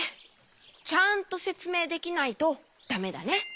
ちゃんとせつめいできないとだめだね。